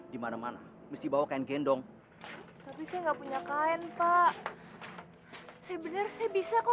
dimana mana mesti bawa kain gendong tapi saya nggak punya kain pak sebenarnya saya bisa kok